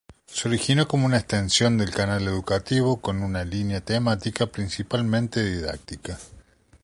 Se originó como una extensión del Canal Educativo con una línea temática principalmente didáctica.